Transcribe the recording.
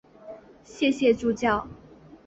谢谢助教